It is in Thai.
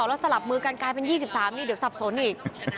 แล้วสลับมือกันกลายเป็น๒๓นี่เดี๋ยวสับสนอีก